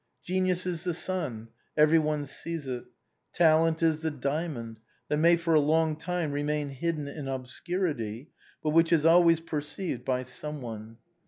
Genius is the sun, every one sees it. Talent is the diamond that may for a long time remain hidden in obscurity, but which is always perceived by some one.